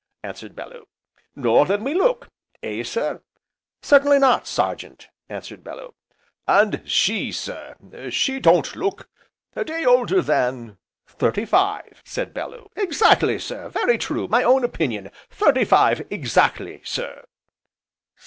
answered Bellew. "Nor than we look, eh sir?" "Certainly not, Sergeant!" answered Bellew. "And she, sir, she don't look a day older than " "Thirty five!" said Bellew. "Exactly, sir, very true! My own opinion, thirty five exactly, sir."